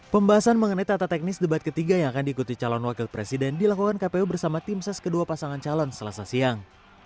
pembahasan mengenai tata teknis debat ketiga yang akan diikuti calon wakil presiden dilakukan kpu bersama tim ses kedua pasangan calon selasa siang